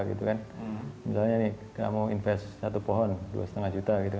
misalnya kamu investasi satu pohon dua lima juta